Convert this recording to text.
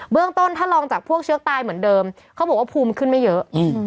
เรื่องต้นถ้าลองจากพวกเชื้อตายเหมือนเดิมเขาบอกว่าภูมิขึ้นไม่เยอะ